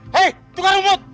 hei tukang rumput